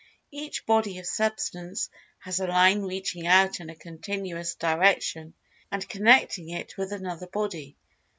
Each body of Substance has a line reaching out in a continuous direction, and connecting it with another body.